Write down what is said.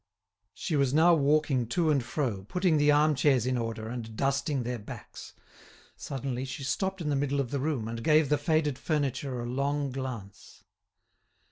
She was now walking to and fro, putting the arm chairs in order, and dusting their backs. Suddenly, she stopped in the middle of the room, and gave the faded furniture a long glance.